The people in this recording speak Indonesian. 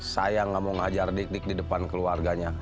saya nggak mau ngajar dikdik di depan keluarganya